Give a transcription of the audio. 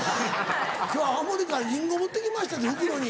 今日青森からリンゴ持って来ましたって袋に。